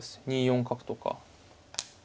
２四角とか。